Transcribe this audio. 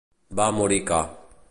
Va morir ca.